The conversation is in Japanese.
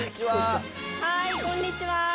はいこんにちは。